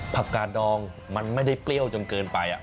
กาดองมันไม่ได้เปรี้ยวจนเกินไป